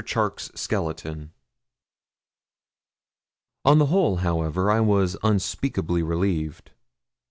CHARKE'S SKELETON_ On the whole, however, I was unspeakably relieved.